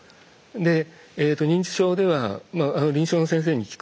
で認知症ではまあ臨床の先生に聞くとですね